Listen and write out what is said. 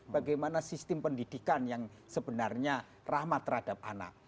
bagaimana sistem pendidikan yang sebenarnya rahmat terhadap anak